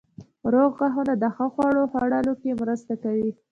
روغ غاښونه د ښه خوړو خوړلو کې مرسته کوي.